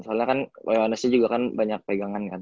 soalnya kan leonisnya juga kan banyak pegangan kan